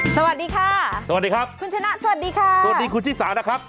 สวัสดีค่ะสวัสดีครับคุณชนะสวัสดีค่ะสวัสดีคุณชิสานะครับ